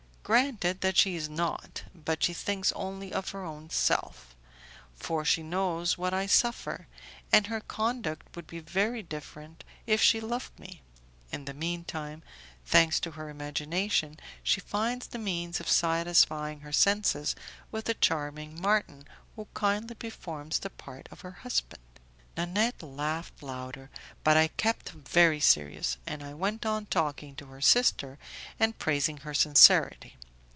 "Granted that she is not; but she thinks only of her own self, for she knows what I suffer, and her conduct would be very different if she loved me. In the mean time, thanks to her imagination, she finds the means of satisfying her senses with the charming Marton who kindly performs the part of her husband." Nanette laughed louder, but I kept very serious, and I went on talking to her sister, and praising her sincerity.